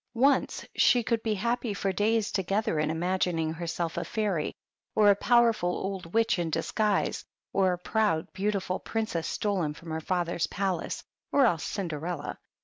Once she could PEGGY THE PIG. 13 be happy for days together in imagining herself a fairy, or a powerful old witch in disguise, or a proud, beautiful princess stolen from her father's palace, or else Cinderella.